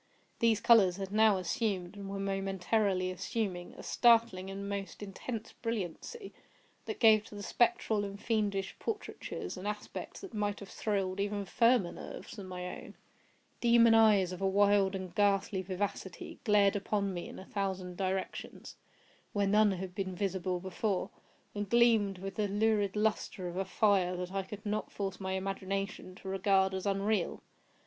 These colors had now assumed, and were momentarily assuming, a startling and most intense brilliancy, that gave to the spectral and fiendish portraitures an aspect that might have thrilled even firmer nerves than my own. Demon eyes, of a wild and ghastly vivacity, glared upon me in a thousand directions, where none had been visible before, and gleamed with the lurid lustre of a fire that I could not force my imagination to regard as unreal.